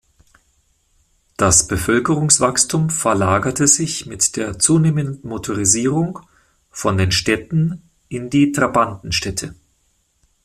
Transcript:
Das Bevölkerungswachstum verlagerte sich mit der zunehmenden Motorisierung von den Städten in die Trabantenstädte.